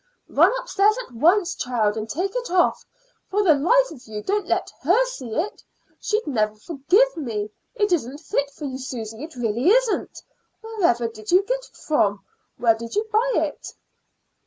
"Run upstairs at once, child, and take it off. For the life of you don't let her see it; she'd never forgive me. It isn't fit for you, Susy; it really isn't. Wherever did you get it from? Where did you buy it?"